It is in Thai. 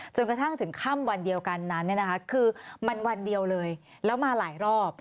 จนกระทั่งถึงค่ำวันเดียวกันนั้นคือมันวันเดียวเลยแล้วมาหลายรอบ